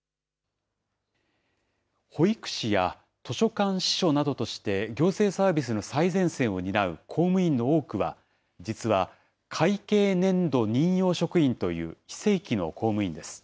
保育士や図書館司書などとして行政サービスの最前線を担う公務員の多くは、実は会計年度任用職員という非正規の公務員です。